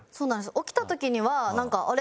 起きた時にはなんかあれ？